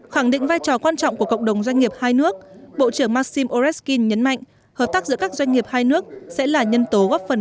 khẳng định vai trò quan trọng của cộng đồng doanh nghiệp hai nước bộ trưởng massim oreskin nhấn mạnh hợp tác giữa các doanh nghiệp hai nước sẽ là nhân tố góp phần